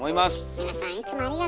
皆さんいつもありがと！